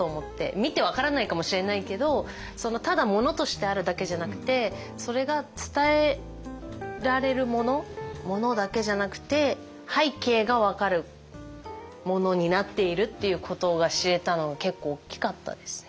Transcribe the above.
見て分からないかもしれないけどただ物としてあるだけじゃなくてそれが伝えられるもの物だけじゃなくて背景が分かるものになっているっていうことが知れたのは結構大きかったですね。